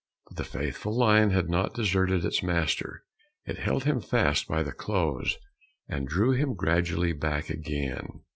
But the faithful lion had not deserted its master; it held him fast by the clothes, and drew him gradually back again.